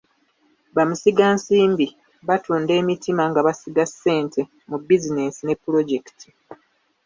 Bamusigansimbi batunda emitima nga basiga ssente mu bizinensi ne pulojekiti.